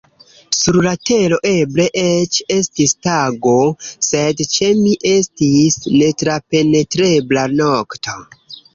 Sur la tero eble eĉ estis tago, sed ĉe mi estis netrapenetrebla nokto.